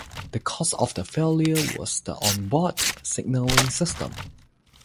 The cause of the failure was the onboard signalling system.